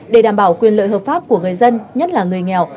để đảm bảo quyền lợi hợp pháp của người dân nhất là người nghèo